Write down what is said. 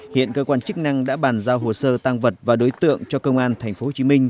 hiện cơ quan chức năng đã bàn giao hồ sơ tăng vật và đối tượng cho công an tp hcm